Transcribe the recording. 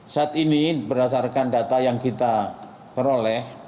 saat ini berdasarkan data yang kita peroleh